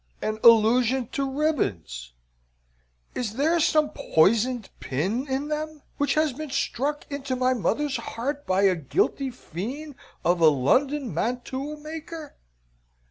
An allusion to ribbons! Is there some poisoned pin in them, which has been struck into my mother's heart by a guilty fiend of a London mantua maker?